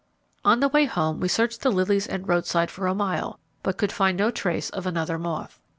On the way home we searched the lilies and roadside for a mile, but could find no trace of another moth.